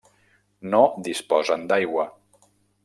No disposen d'aigua.